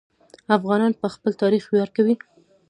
افغانان په خپل تاریخ ویاړ کوي.